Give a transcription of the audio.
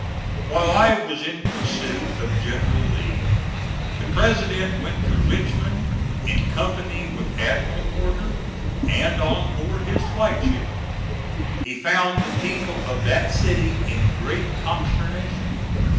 While I was in pursuit of General Lee, the President went to Richmond in company with Admiral Porter, and on board his flagship. He found the people of that city in great consternation.